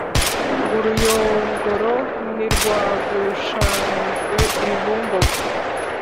uruyogoro ntirwagushangijwe i bumbogo: